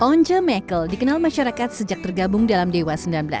onca michael dikenal masyarakat sejak tergabung dalam dewa sembilan belas